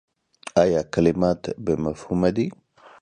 ایا کلمات بې مفهومه دي ؟